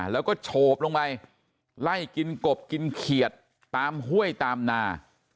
แล้วก็โฉบลงไปไล่กินกบกินเขียดตามห้วยตามนา